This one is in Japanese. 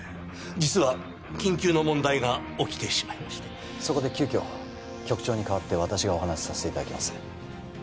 実は緊急の問題が起きてしまいましてそこで急きょ局長に代わって私がお話しさせていただきます